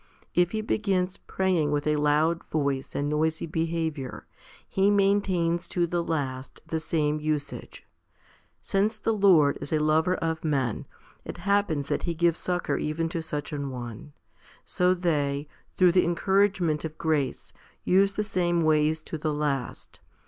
If he begins praying with a loud voice and noisy behaviour, he maintains to the last the same usage. Since the Lord is a lover of men, it happens that He gives succour even to such an one; so they, through the encouragement of grace, use the same ways to the last.